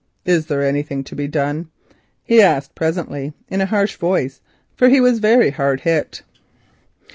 "Is there nothing to be done?" he asked presently in a harsh voice, for he was very hard hit.